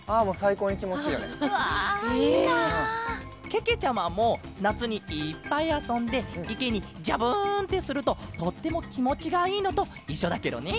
けけちゃまもなつにいっぱいあそんでいけにジャブンってするととってもきもちがいいのといっしょだケロね！